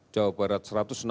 jawa barat satu ratus enam puluh